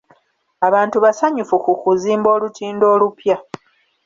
Abantu basanyufu ku kuzimba olutindo olupya.